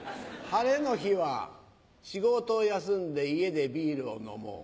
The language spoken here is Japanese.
晴れの日は仕事を休んで家でビールを飲もう。